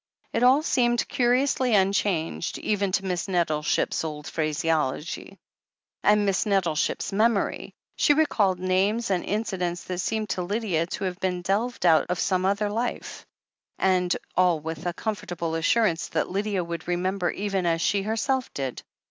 It all seemed curiously unchanged, even to Miss Nettleship's old phraseology. And Miss Nettleship's memory ! She recalled names and incidents that seemed to Lydia to have been delved out of some other life, and all with a comfortable assur THE HEEL OF ACHIIXES 447 ance that Lydia would remember even as she herself did.